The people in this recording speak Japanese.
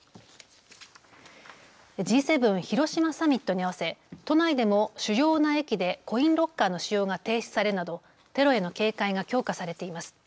Ｇ７広島サミットに合わせ都内でも主要な駅でコインロッカーの使用が停止されるなどテロへの警戒が強化されています。